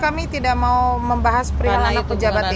kami tidak mau membahas perihal anak pejabat ya